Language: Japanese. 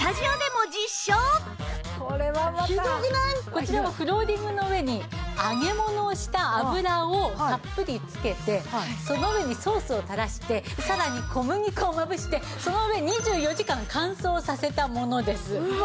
こちらはフローリングの上に揚げ物をした油をたっぷり付けてその上にソースを垂らしてさらに小麦粉をまぶしてその上２４時間乾燥させたものです。